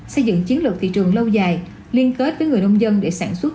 xây dựng chiến lược thị trường lâu dài liên kết với người nông dân để sản xuất